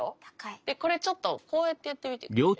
でこれちょっとこうやってやってみてくれる？